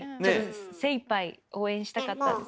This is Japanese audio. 精いっぱい応援したかったんです。